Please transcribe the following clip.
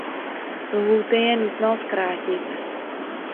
Lhůty je nutno zkrátit.